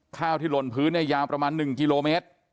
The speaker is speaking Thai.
ข้าวที่หล่นพื้นเนี่ยยาวประมาณ๑กิโลเมตร